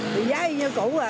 vì giá y như cũ à